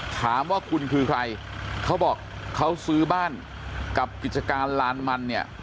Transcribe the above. ถามว่าคุณคือใครเขาบอกเขาซื้อบ้านกับกิจการลานมันเนี่ย